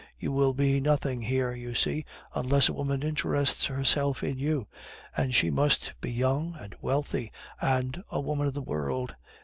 You will be nothing here, you see, unless a woman interests herself in you; and she must be young and wealthy, and a woman of the world.